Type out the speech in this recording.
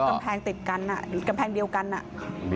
กำแพงติดกันอ่ะหรือกำแพงเดียวกันอ่ะ